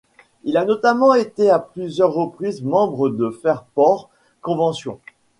Il a notamment été à plusieurs reprises membre de Fairport Convention.